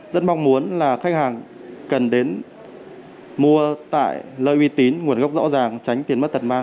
rất mong muốn là khách hàng cần đến mua tại lợi uy tín nguồn gốc rõ ràng tránh tiền mất tật mang